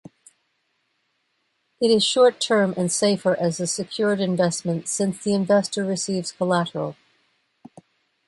It is short-term and safer as a secured investment since the investor receives collateral.